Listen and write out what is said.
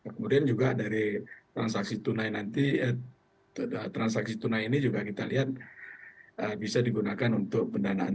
kemudian juga dari transaksi tunai nanti transaksi tunai ini juga kita lihat bisa digunakan untuk pendanaan